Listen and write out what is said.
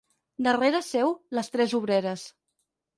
Darrere seu, les tres obreres.